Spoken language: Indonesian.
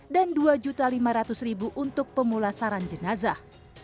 dan rp dua lima ratus untuk pemulasaran jenazah